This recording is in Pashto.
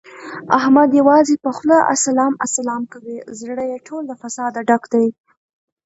احمد یوازې په خوله اسلام اسلام کوي، زړه یې ټول له فساده ډک دی.